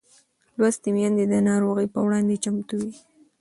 لوستې میندې د ناروغۍ پر وړاندې چمتو وي.